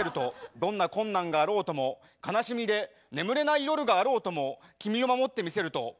どんな困難があろうとも悲しみで眠れない夜があろうとも君を守ってみせると。